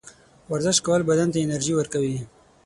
ورزش کول بدن ته انرژي ورکوي.